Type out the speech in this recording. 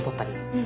うん。